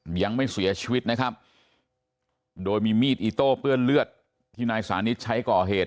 ยังไม่เสียชีวิตนะครับโดยมีมีดอิโต้เปื้อนเลือดที่นายสานิทใช้ก่อเหตุ